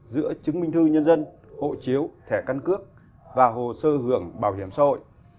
giữa chứng minh thư nhân dân hộ chiếu thẻ căn cước và hồ sơ hưởng bảo hiểm xã hội